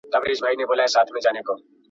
په څېړنو کې له ځینو علومو ګټه اخیستل کیږي.